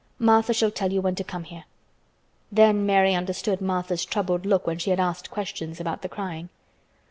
Martha shall tell you when to come here." Then Mary understood Martha's troubled look when she had asked questions about the crying.